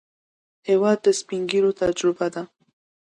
هېواد د سپینږیرو تجربه ده.